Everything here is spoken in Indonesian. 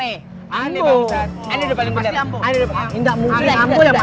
ini udah paling bener